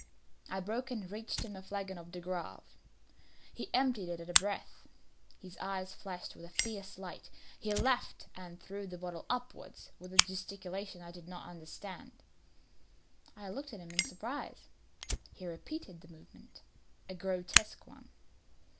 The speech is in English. I broke and reached him a flagon of De Grave. He emptied it at a breath. His eyes flashed with a fierce light. He laughed and threw the bottle upwards with a gesticulation I did not understand. I looked at him in surprise. He repeated the movement a grotesque one.